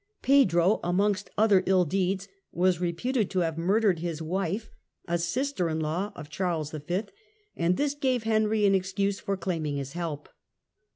Pedro, amongst other ill deeds, was reputed to have murdered his wife, a sister in law of Charles V., and this gave Henry an excuse for claiming his help.